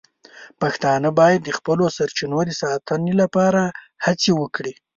پښتانه باید د خپلو سرچینو د ساتنې لپاره هڅې وکړي.